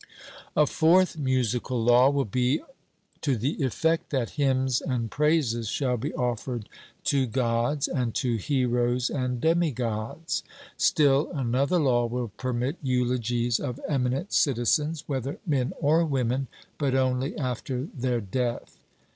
A fourth musical law will be to the effect that hymns and praises shall be offered to Gods, and to heroes and demigods. Still another law will permit eulogies of eminent citizens, whether men or women, but only after their death.